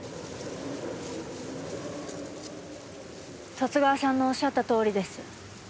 十津川さんの仰ったとおりです。